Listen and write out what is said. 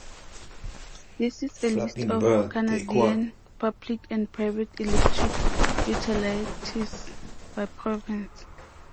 This is a list of Canadian public and private electric utilities, by province.